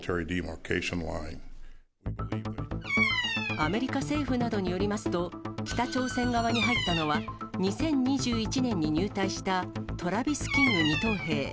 アメリカ政府などによりますと、北朝鮮側に入ったのは、２０２１年に入隊したトラビス・キング２等兵。